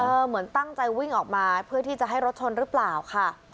เหมือนตั้งใจวิ่งออกมาเพื่อที่จะให้รถชนหรือเปล่าค่ะ